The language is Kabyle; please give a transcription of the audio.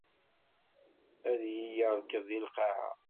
A iyi-irkeḍ di lqaɛa.